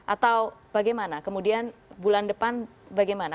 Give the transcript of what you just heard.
atau bagaimana kemudian bulan depan bagaimana